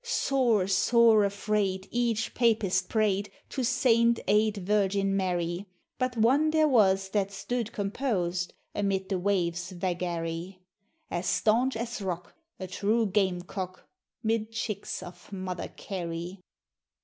Sore, sore afraid, each Papist pray'd To Saint aid Virgin Mary; But one there was that stood composed Amid the waves' vagary; As staunch as rock, a true game cock 'Mid chicks of Mother Carey!